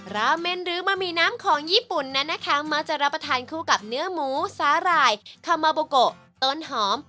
ราเมนหรือบะหมี่น้ำของญี่ปุ่นนั้นนะคะมักจะรับประทานคู่กับเนื้อหมูสาหร่ายคามาโบโกต้นหอม